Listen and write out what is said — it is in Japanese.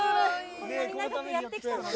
こんなに長くやってきたのに。